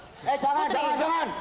eh jangan jangan jangan